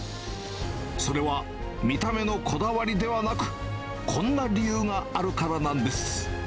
それは見た目のこだわりではなく、こんな理由があるからなんです。